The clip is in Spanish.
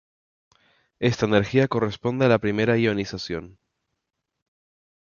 Esta energía corresponde a la primera ionización.